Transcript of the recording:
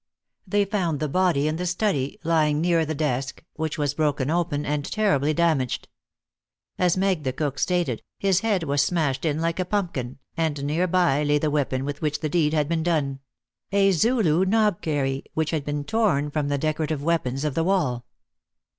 They found the body in the study, lying near the desk, which was broken open and terribly damaged. As Meg, the cook, stated, his head was smashed in like a pumpkin, and near by lay the weapon with which the deed had been done a Zulu knobkerrie, which had been torn from the decorative weapons of the wall.